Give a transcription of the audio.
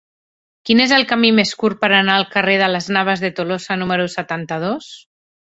Quin és el camí més curt per anar al carrer de Las Navas de Tolosa número setanta-dos?